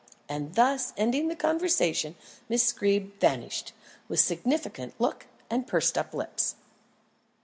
And thus ending the conversation, Miss Greeb vanished, with significant look and pursed up lips.